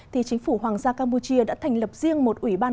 thì chính phủ hoàng gia campuchia đã thành lập riêng một ủy ban